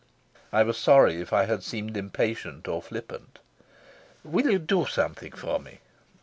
I was sorry if I had seemed impatient or flippant. "Will you do something for me?"